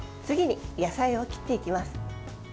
次に、野菜を切っていきます。